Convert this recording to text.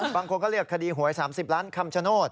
บางคนก็เรียกคดีหวย๓๐ล้านคำชโนธ